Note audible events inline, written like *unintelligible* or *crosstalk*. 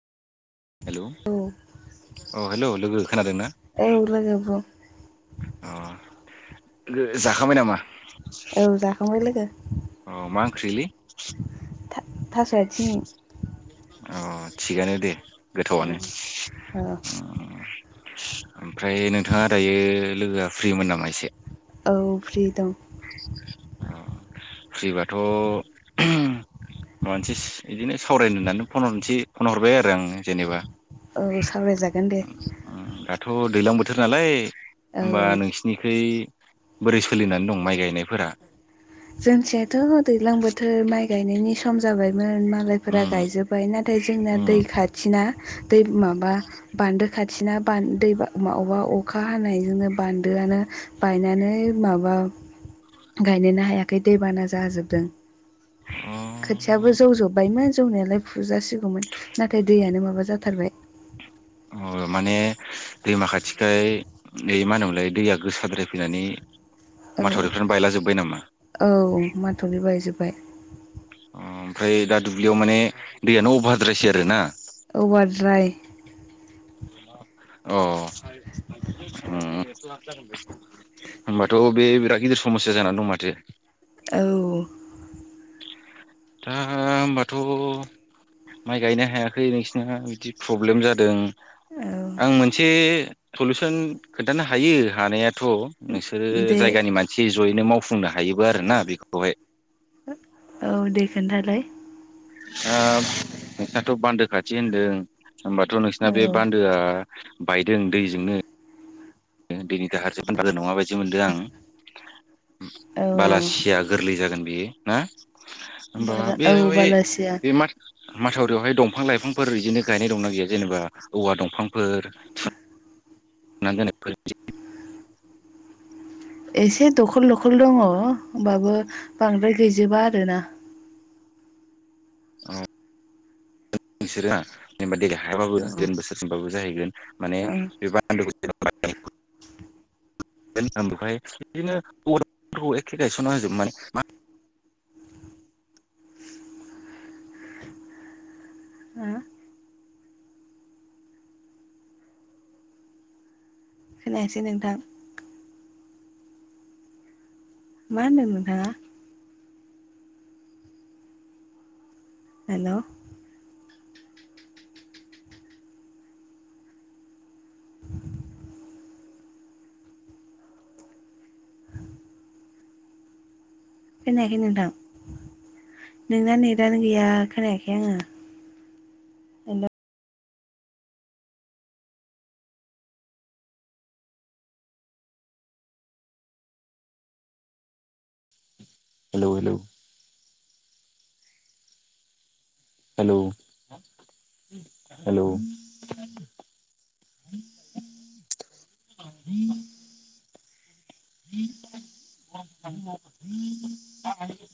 Hello औ अ hello लोगो खोनादोंना? औ लोगो अ *inaudible* *unintelligible* जाखांबाय नामा? औ जाखांबाय लोगो। ख्रिलै? थास' आयथिं। अ थिगानो दे गोथावानो। औ ओमफ्राय नोंथाङा दायो लोगोआ फ्रिमोन नामा एसे? औ फ्रि दं। अ फ्रिबाथ' मोनसिस इदिनो सावरायनो होननानै फन हरनोसै फन हरबाय आरो आङो जेनेबा। औ सावरायजागोन दे। थ' दैलां बोथोर नालाय औ होमबा नोंसिनिखै बोरै सोलिनानै दं माइ गायनायफोरा? जोंनिथिंथ' दैलां बोथोर माइ गायनायनि सम जाबाय। बाय मालायफोरा उम गायजोब्बाय नाथाय जोंना दै उम खाथिना दैब माबा बान्दो खाथिना बान्दो दै *unintelligible* अखा हानायजोंनो बान्दोआनो बायनानै माबा ओ गायनोनो हाया खै दैबाना जाजोबदों अ खोथियाबो जौजोब्बायमोन जौनायालाय फुजासि गौमोन नाथाय दैयानो माबा जाथारबाय। ओ माने दैमा खाथिखाय नै मा होनोमोनलाय दैया गोसाद्राय फैनानै औ माथावरिफ्रानो बायलाजोब्बाय नामा? औ माथ'नि बायजोब्बाय। ओमफ्राय दा दुब्लियाव माने दैयानो अभारद्रायसै आरो ना? अभारद्राय। *inaudible* अ ओम होमबाथ' बे बिराद गिदिर स मस्या जानानै दं माथो? औ। दा होमबाथ' माइ गायनो हायाखै नोंसिना बिदि प्रब्लेम जादों। औ आं मोनसे सलुसन खोन्थानो हायो हानाया थ' नोंसोरो दे जायगानि मानसि जयैनो मावफुंनो हायोबो आरोना बेफोरखौहाय। औ दे खोन्थालाय। ओ नोंसिनाथ' बान्दो खाथि होनदों होमबाथ' नोंसिना बे औ बान्दोआ बायदों दैजोंनो। दैनि दाहारजों *unintelligible* नङाबायदि मोनदों आं। औ बालासिया गोरलै जागोन बेयो ना? होमबा बारा बे औ बे बालासिया बे मा माथावरियावहाय दंफां-लाइफांफोर बिदिनो गायनाय दंना गैया जेनेबा औवा दंफांफोर थु ना दोननायफोर? एसे दखल दखल दङ होमबाबो बांद्राय गैजोबा आरोना। औ। *inaudible* नोंसोरो जेनेबा देग्लाय हायाबाबो औ फैगोन बोसोरसिमबाबो जाहैगोन माने ओं *unintelligible* *inaudible* बेहाय बिदिनो *unintelligible* एखे गायस'ना होजोब माने *unintelligible* हो खोनायासै नोंथां। मा होनदों नोंथाङा? हेल'! खोनायाखै नोंथां नोंना नेदानो गैया खोनायाखै आङो। Hello hello hello. Hello *inaudible* hello. *inaudible* *inaudible* *inaudible*